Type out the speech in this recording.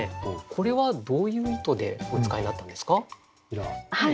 これはどういう意図でお使いになったんですか？